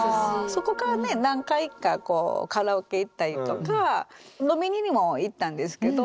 そこからね何回かこうカラオケ行ったりとか飲みにも行ったんですけど。